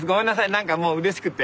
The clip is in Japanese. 何かもううれしくて。